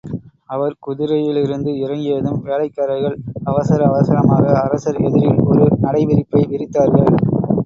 அவர் குதிரையிலிருந்து இறங்கியதும் வேலைக்காரர்கள் அவசர அவசரமாக அரசர் எதிரில் ஒரு நடைவிரிப்பை விரித்தார்கள்.